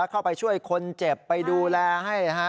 เข้าไปช่วยคนเจ็บไปดูแลให้